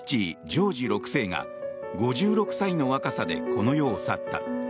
ジョージ６世が５６歳の若さでこの世を去った。